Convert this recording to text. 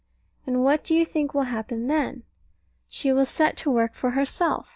And what do you think will happen then? She will set to work for herself.